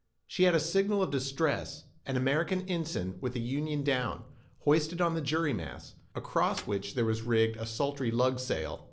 She had a signal of distress, an American ensign, with the union down, hoisted on the jury mast, across which there was rigged a solitary lug sail.